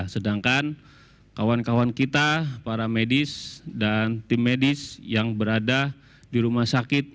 sedangkan kawan kawan kita para medis dan tim medis yang berada di rumah sakit